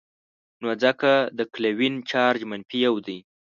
نو ځکه د کلوین چارج منفي یو دی.